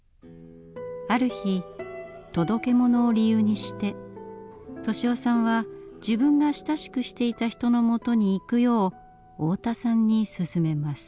ある日届け物を理由にして利雄さんは自分が親しくしていた人のもとに行くよう太田さんにすすめます。